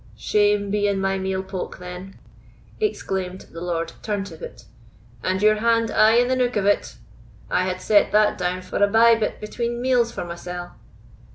"Shame be in my meal poke, then," exclaimed the Lord Turntippet, "and your hand aye in the nook of it! I had set that down for a bye bit between meals for mysell."